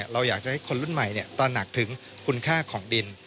เราอยากจะให้คนรุ่นใหม่ตระหนักถึงคุณค่าของดิน